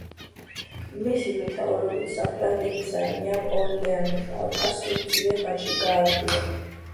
მისი მეთაურობით საფრანგეთის არმიამ ორლეანის ალყა სულ მცირე ხანში გაარღვია.